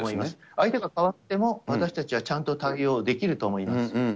相手が変わっても私たちはちゃんと対応できると思います。